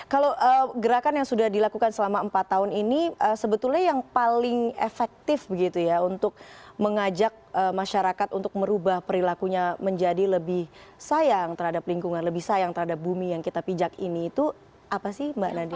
kalau gerakan yang sudah dilakukan selama empat tahun ini sebetulnya yang paling efektif begitu ya untuk mengajak masyarakat untuk merubah perilakunya menjadi lebih sayang terhadap lingkungan lebih sayang terhadap bumi yang kita pijak ini itu apa sih mbak nadia